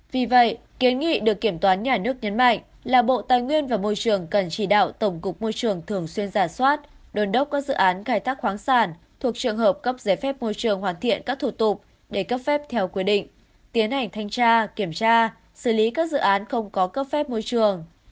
vì vậy kiến nghị được kiểm toán nhà nước nhấn mạnh là bộ tài nguyên và môi trường cần chỉ đạo tổng cục môi trường thường xuyên giả soát đồn đốc các dự án khai thác khoáng sản thuộc trường hợp cấp giấy phép môi trường hoàn thiện các thủ tục để cấp phép theo quy định tiến hành thanh tra kiểm tra xử lý các dự án không có cấp phép môi trường